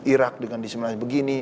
irak dengan disimulasi begini